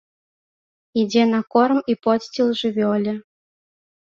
Ідзе на корм і подсціл жывёле.